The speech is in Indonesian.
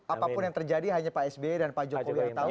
apapun yang terjadi hanya pak sby dan pak jokowi yang tahu